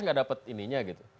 gak dapat ininya gitu